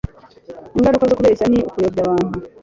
ingaruka zo kubeshya ni ukuyobya abantu